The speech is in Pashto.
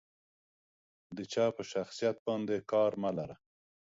د جا په شخصيت باندې کار مه لره.